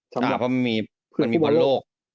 ใช่เพราะมันมีวันโลก